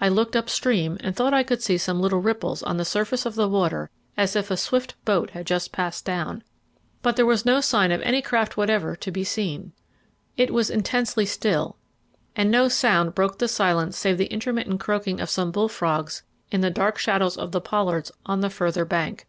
I looked up stream and thought I could see some little ripples on the surface of the water as if a swift boat had just passed down, but there was no sign of any craft whatever to be seen. It was intensely still, and no sound broke the silence save the intermittent croaking of some bull frogs in the dark shadows of the pollards on the further bank.